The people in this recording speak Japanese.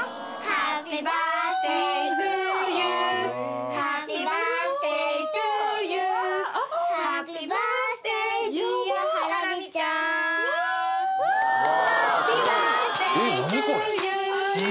「ハッピーバースデーディアハラミちゃん」「ハッピーバースデートゥユー」